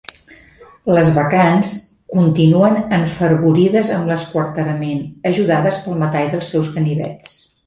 Les bacants continuen enfervorides amb l'esquarterament, ajudades pel metall dels seus ganivets.